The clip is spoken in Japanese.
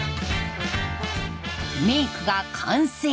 メイクが完成。